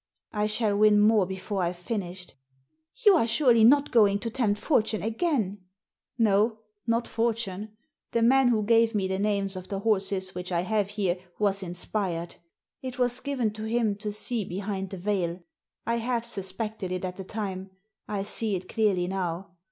" I shall win more before I've finished." "You are surely not going to tempt Fortune again ?" "No — not fortune! The man who gave me the names of the horses which I have here was inspired. It was given to him to see behind the veil. I half suspected it at the time. I see it clearly now.